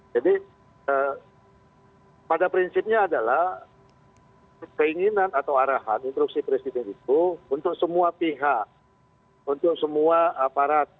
jadi pada prinsipnya adalah keinginan atau arahan instruksi presiden itu untuk semua pihak untuk semua aparat